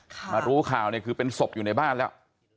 มารู้ข่าวเนี่ยคือเป็นศพอยู่ในบ้านแล้ว